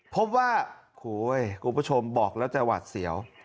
พบว่าคุณผู้ชมบอกแล้วจะหวัดเสียว